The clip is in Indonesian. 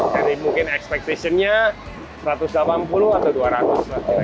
jadi mungkin expectation nya satu ratus delapan puluh atau dua ratus lah kira kira